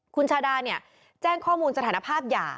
คุณชาดาเนี่ยแจ้งข้อมูลสถานภาพหย่า